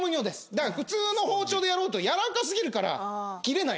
だから普通の包丁でやろうとやわらか過ぎるから切れないんですね。